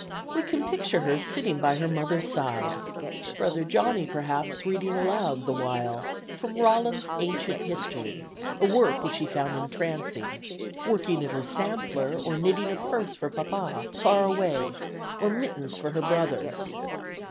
We can picture her sitting by her mother's side (Brother Johnny, perhaps, reading aloud the while from "Rollin's Ancient History," a work which he found entrancing) working at her sampler, or knitting a purse for Papa, far away, or mittens for her brothers.